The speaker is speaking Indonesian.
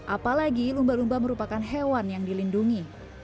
apalagi lumba lumba merupakan hewan yang dilindungi